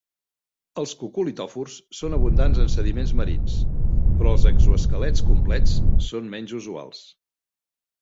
Els cocolitòfors són abundants en sediments marins, però els exosquelets complets són menys usuals.